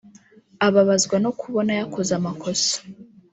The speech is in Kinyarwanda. Ababazwa no kubona yakoze amakosa